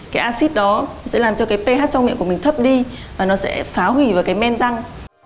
cái acid đó sẽ làm cho cái ph trong miệng của mình thấp đi và nó sẽ phá hủy vào cái men tăng